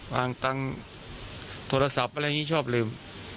วางตังค์โทรศัพท์อะไรอย่างนี้ชอบลืม